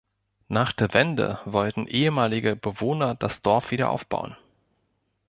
Nach der Wende wollten ehemalige Bewohner das Dorf wieder aufbauen.